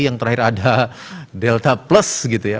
yang terakhir ada delta plus gitu ya